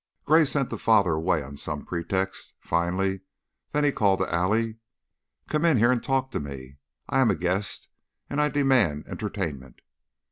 Gray sent the father away on some pretext, finally; then he called to Allie: "Come in here and talk to me. I am a guest and I demand entertainment."